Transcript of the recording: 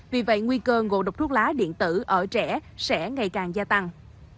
vì vậy nguy cơ ngộ độc thuốc lá điện tử ở trẻ sẽ ngày càng gia tăng